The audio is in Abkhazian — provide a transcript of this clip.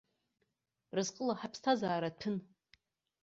Разҟыла ҳаԥсҭазаара ҭәын.